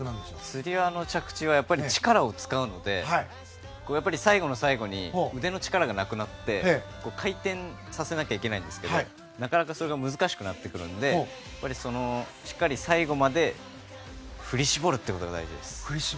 つり輪の着地は力を使うので最後の最後に腕の力がなくなって回転させなきゃいけないんですけどなかなかそれが難しくなってくるのでしっかり最後まで振り絞ることが大事です。